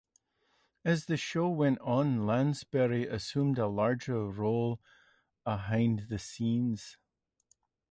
As the show went on, Lansbury assumed a larger role behind the scenes.